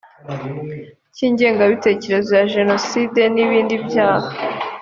cy ingengabitekerezo ya jenoside n ibindi byaha